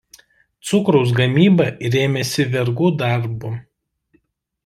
Cukraus gamyba rėmėsi vergų darbu.